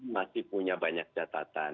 masih punya banyak catatan